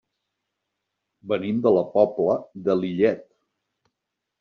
Venim de la Pobla de Lillet.